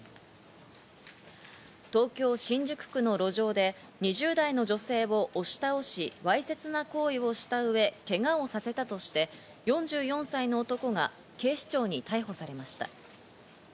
東京・新宿区の路上で２０代の女性を押し倒し、わいせつな行為をしたうえ、けがをさせたとして、４４歳の男が警視庁に逮捕されました。